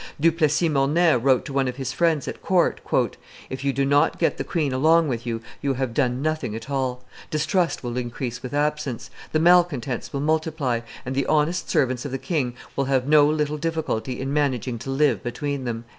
Du Plessis Mornay wrote to one of his friends at court, "If you do not get the queen along with you, you have done nothing at all; distrust will increase with absence; the malcontents will multiply; and the honest servants of the king will have no little difficulty in managing to live between them."